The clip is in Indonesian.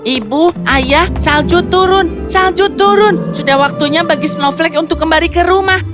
ibu ayah salju turun salju turun sudah waktunya bagi snowflake untuk kembali ke rumah